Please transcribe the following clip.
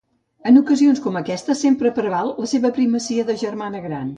En ocasions com aquesta sempre preval la seva primacia de germana gran.